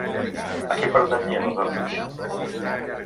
A qui pertanyien els ossos?